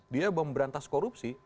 dia memberantas korupsi